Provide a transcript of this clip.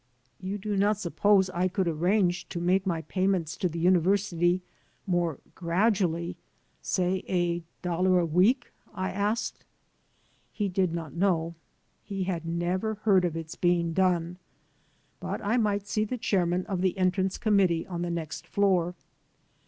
"You do not suppose IN THE MOLD I could arrange to make my payments to the university more gradually, say a dollar a week?" I asked. He did not know. He had never heard of its being done. But I might see the chairman of the Entrance Committee on the next floor.